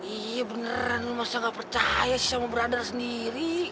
iya beneran masa nggak percaya sih sama brother sendiri